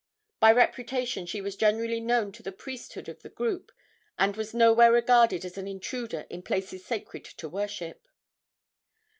By reputation she was generally known to the priesthood of the group, and was nowhere regarded as an intruder in places sacred to worship.